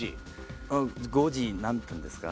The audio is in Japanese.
５時何分ですか？